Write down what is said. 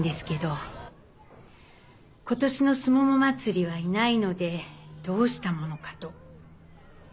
今年のすもも祭りはいないのでどうしたものかと。